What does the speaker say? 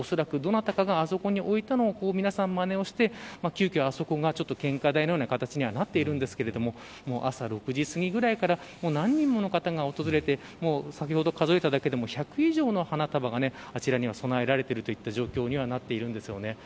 おそらく、どなたかがあそこに置いたのを皆さんがまねをして急きょ、あそこが献花台のようになっているんですけれども朝６時すぎくらいから何人もの方が訪れて先ほど数えただけでも１００以上の花束があちらには供えられているといった状況にはなっています。